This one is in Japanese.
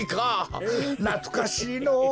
なつかしいのぉ！